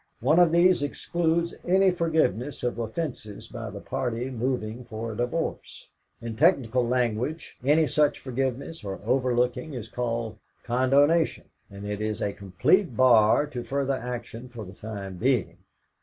One of these excludes any forgiveness of offences by the party moving for a divorce. In technical language, any such forgiveness or overlooking is called condonation, and it is a complete bar to further action for the time being.